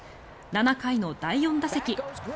７回の第４打席。